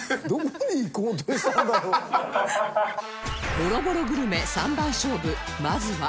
ボロボログルメ三番勝負まずは